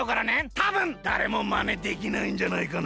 たぶんだれもまねできないんじゃないかな？